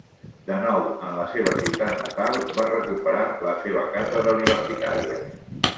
De nou en la seva ciutat natal, va recuperar la seva càtedra universitària.